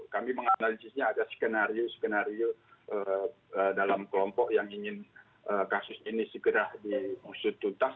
bagi menganalisisnya ada skenario skenario dalam kelompok yang ingin kasus ini segera dimusuh tutas